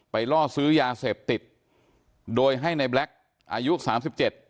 ล่อซื้อยาเสพติดโดยให้ในแบล็คอายุสามสิบเจ็ด